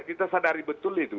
kita sadari betul itu